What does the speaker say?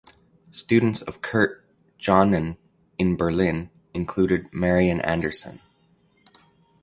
Students of Kurt Johnen in Berlin included Marian Anderson.